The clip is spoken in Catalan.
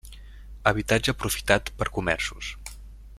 Habitatge aprofitat per comerços.